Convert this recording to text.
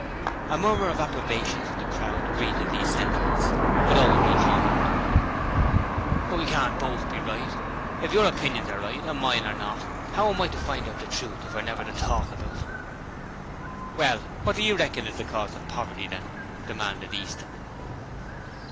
A murmur of approbation from the crowd greeted these sentiments; but Owen rejoined: 'But we can't both be right; if your opinions are right and mine are not, how am I to find out the truth if we never talk about them?' 'Well, wot do you reckon is the cause of poverty, then?' demanded Easton.